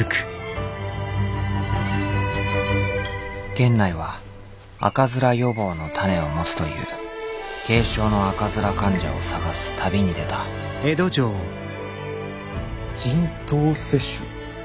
源内は赤面予防の種を持つという軽症の赤面患者を探す旅に出た人痘接種？